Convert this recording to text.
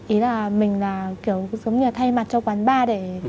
ý là mình là kiểu giống như thay mặt cho quán bar để